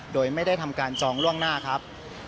โดยไม่ได้ทำการจองล่วงหน้าครับ